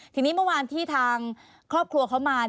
ทีนี้เมื่อวานที่ทางครอบครัวเขามา